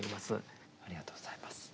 ありがとうございます。